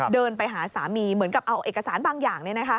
เดินไปหาสามีเหมือนกับเอาเอกสารบางอย่าง